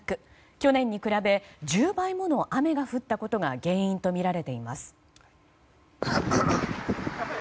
去年に比べ１０倍もの雨が降ったことが原因とみられています。